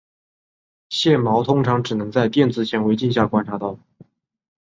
线毛通常只能在电子显微镜下观察到。